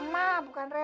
ini emak bukan re rek